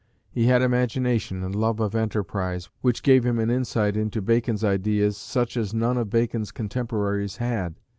He had imagination and love of enterprise, which gave him an insight into Bacon's ideas such as none of Bacon's contemporaries had.